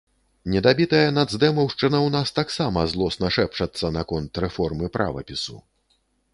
Недабітая нацдэмаўшчына ў нас таксама злосна шэпчацца наконт рэформы правапісу.